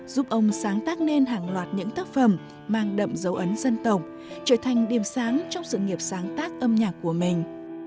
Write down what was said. giúp ông sáng tác nên hàng loạt những tác phẩm mang đậm dấu ấn dân tộc trở thành điểm sáng trong sự nghiệp sáng tác âm nhạc của mình